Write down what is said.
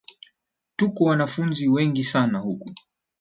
Tuko wanafunzi wengi sana huku